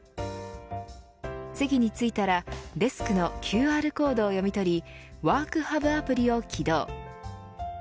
席に着いたらデスクのＱＲコードを読み取りｗｏｒｋｈｕｂアプリを起動。